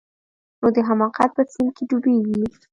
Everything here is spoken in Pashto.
نو د حماقت په سيند کښې ډوبېږي.